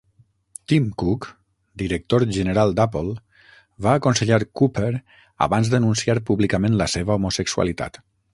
Tim Cook, director general d'Apple, va aconsellar Cooper abans d'anunciar públicament la seva homosexualitat.